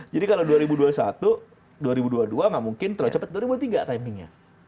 jadi kalau dua ribu dua puluh satu dua ribu dua puluh dua nggak mungkin terlalu cepet dua ribu tiga timenya